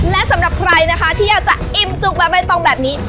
และสำหรับใครที่อยากจะอิ่มจุกแบบนี้